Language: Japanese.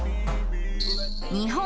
日本